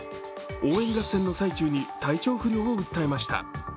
応援合戦の最中に体調不良を訴えました。